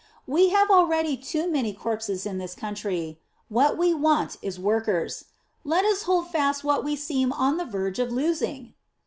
"We have already too many corpses in our country; what we want is workers. Let us hold fast what we seem on the verge of losing."